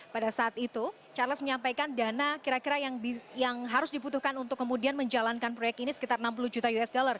pada saat itu charles menyampaikan dana kira kira yang harus dibutuhkan untuk kemudian menjalankan proyek ini sekitar enam puluh juta usd